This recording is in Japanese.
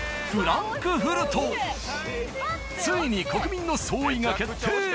ついに国民の総意が決定